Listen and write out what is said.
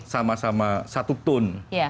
sama sama satu tone